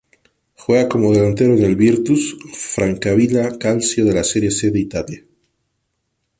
Juega como delantero en el Virtus Francavilla Calcio de la Serie C de Italia.